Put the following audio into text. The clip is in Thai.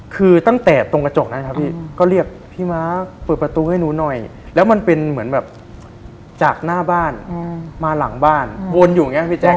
คือตั้งแต่ตรงกระจกนั้นครับพี่ก็เรียกพี่ม้าเปิดประตูให้หนูหน่อยแล้วมันเป็นเหมือนแบบจากหน้าบ้านมาหลังบ้านวนอยู่อย่างนี้พี่แจ๊